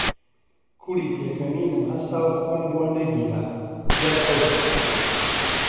کوڵی پێکەنینم هەستا و خۆم بۆ نەگیرا، دەرکەوتم